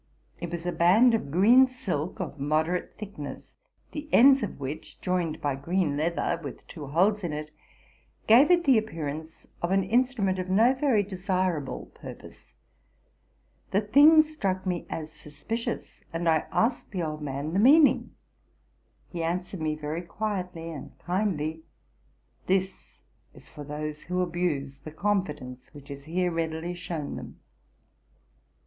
It was a band of green silk of moderate thickness, the ends of which, joined by green leather with two holes in it, gave it the appearance of an instrument for no very desirable purpose. 'The thing struck me as suspicious, and I asked the old man the meaning. He answered me very quietly and kindly, '' This is for those who abuse the confidence which is here readily shown them."